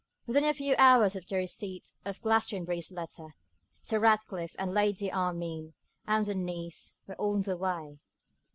Within a few hours of the receipt of Glastonbury's letter, Sir Ratcliffe and Lady Armine, and their niece, were on their way.